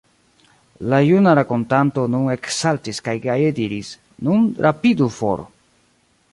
La juna rakontanto nun eksaltis kaj gaje diris: Nun rapidu for.